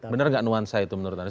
benar nggak nuansa itu menurut anda